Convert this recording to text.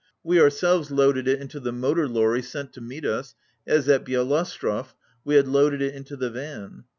We ourselves loaded it into the motor lorry sent to meet us, as at Bieloostrov we had loaded it into the van.